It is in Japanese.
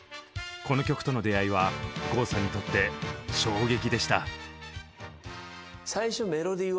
この曲との出会いは郷さんにとって衝撃でした。